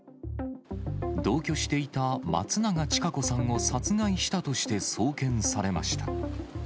同居していた松永千賀子さんを殺害したとして送検されました。